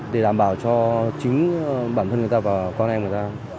để đảm bảo cho giao thông